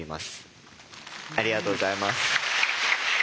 ありがとうございます。